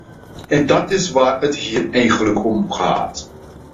En dat is waar het hier eigenlijk om gaat.